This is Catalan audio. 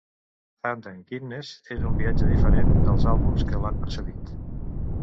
"Hand of Kindness" és un viatge diferent dels àlbums que l'han precedit.